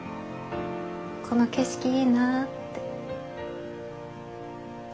この景色いいなって。